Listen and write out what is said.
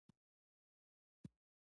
د زور یې نه دی.